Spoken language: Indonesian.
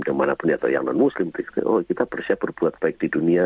kita bersiap berbuat baik di dunia